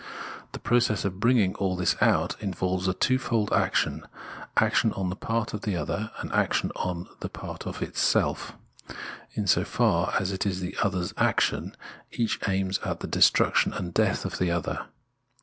The process of bringing all this out involves a twofold action— laction on the part of the other, and action on the par*t of itself. In so far as it is the other's action, each aimsl at the destruction and death of the other.